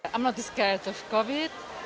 saya tidak takut dengan covid sembilan belas